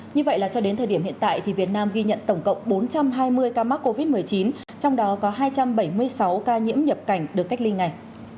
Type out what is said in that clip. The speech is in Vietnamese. như vậy là cho đến thời điểm hiện tại thì việt nam ghi nhận tổng cộng bốn trăm hai mươi ca mắc covid một mươi chín trong đó có hai trăm bảy mươi sáu ca nhiễm nhập cảnh được cách ly ngay